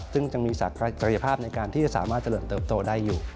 ซึ่งจะมีศักยภาพในการที่สามารถเติบโตได้อยู่